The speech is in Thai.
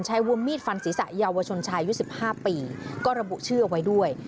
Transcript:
ใช้ว่าว่ามีดฟันศรีษะเยาวชนชายยุ่น๑๕ปีก็ระบุเชื่อไว้ด้วย